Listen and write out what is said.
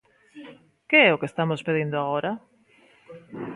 ¿Que é o que estamos pedindo agora?